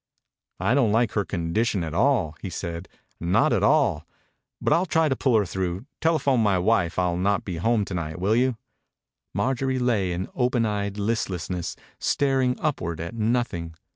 "I don't like her condition, at all," he said. « Not at all. But I'll try to pull her through. Telephone my wife I'll not be home to night, will you ?" Marjorie lay in open eyed listlessness, staring upward at nothing.